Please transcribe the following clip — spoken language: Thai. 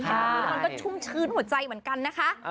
แล้วมันก็ชุ่มชื้นหัวใจเหมือนกันนะคะ